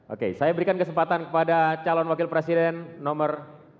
oke saya berikan kesempatan kepada calon wakil presiden nomor dua